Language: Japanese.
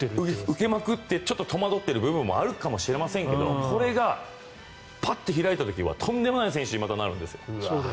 受けまくってちょっと戸惑っている部分もあるかもしれませんがこれがパッと開いた時はとんでもない選手にまたなるんですよ。